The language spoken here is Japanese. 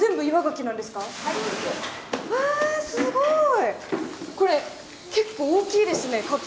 うわすごい！